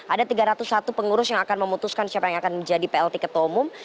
ada tiga ratus satu pengurus yang akan memutuskan siapa yang akan menjadi plt ketua umum